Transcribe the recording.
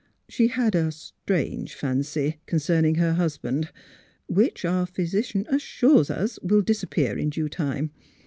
She had a — a strange fancy concerning her husband, which — our physician assures us — will disappear in due time.